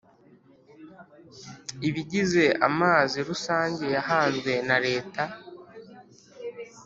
Ibigize amazi rusange yahanzwe na Leta